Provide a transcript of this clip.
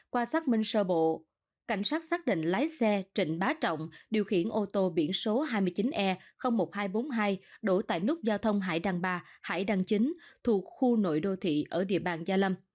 qua xác minh sơ bộ cảnh sát xác định lái xe trịnh bá trọng điều khiển ô tô biển số hai mươi chín e một nghìn hai trăm bốn mươi hai đổ tại nút giao thông hải đăng ba hải đăng chính thuộc khu nội đô thị ở địa bàn gia lâm